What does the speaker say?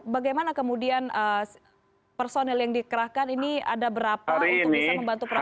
bagaimana kemudian personil yang dikerahkan ini ada berapa untuk bisa membantu proses